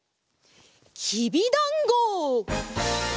きびだんご！